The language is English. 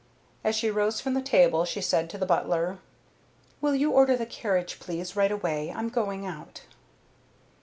As she rose from the table she said to the butler: "Will you order the carriage, please, right away. I'm going out."